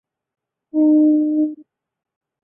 滇南山牵牛为爵床科山牵牛属下的一个亚种。